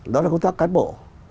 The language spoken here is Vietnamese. đó là công tác cán bộ